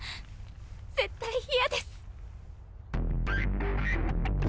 絶対嫌です。